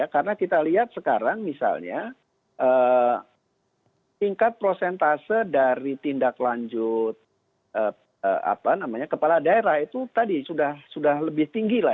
karena kita lihat sekarang misalnya tingkat prosentase dari tindak lanjut kepala daerah itu tadi sudah lebih tinggi